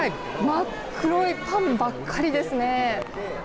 真っ黒いパンばっかりですね。